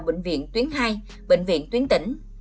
bệnh viện tuyến hai bệnh viện tuyến tỉnh